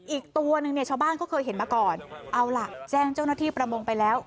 อีกตัวนึงเนี่ยชาวบ้านก็เคยเห็นมาก่อนเอาล่ะแจ้งเจ้าหน้าที่ประมงไปแล้ว